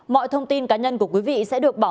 mọi thông tin cá nhân của quý vị sẽ được truyền thông báo